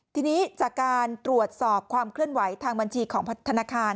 ทีนี้จากการตรวจสอบความเคลื่อนไหวทางบัญชีของธนาคาร